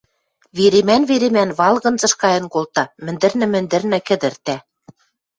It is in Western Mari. веремӓн-веремӓн валгынзыш кайын колта, мӹндӹрнӹ-мӹндӹрнӹ кӹдӹртӓ.